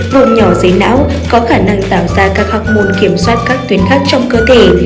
vùng nhỏ giấy não có khả năng tạo ra các hông môn kiểm soát các tuyến khác trong cơ thể